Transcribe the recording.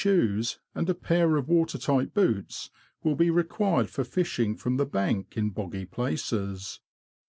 21 shoes, and a pair of watertight boots, will be required for fishing from the bank in boggy places.